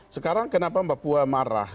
sekarang kenapa papua marah